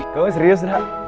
kau serius rara